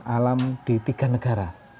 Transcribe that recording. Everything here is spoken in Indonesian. alam di tiga negara